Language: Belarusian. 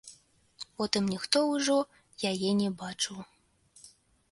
Потым ніхто ўжо яе не бачыў.